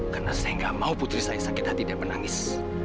karena saya gak mau putri saya sakit hati dan menangis